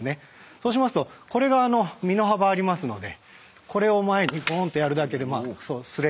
そうしますとこれが身の幅ありますのでこれを前にボンとやるだけでそれる。